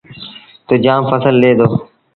تا جآم ڦسل ڏي دو۔